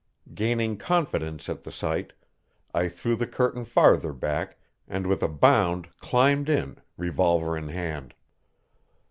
Gaining confidence at the sight, I threw the curtain farther back, and with a bound climbed in, revolver in hand.